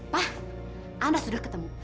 pak anda sudah ketemu